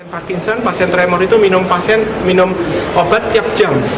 parkinson pasien tremor itu minum obat tiap jam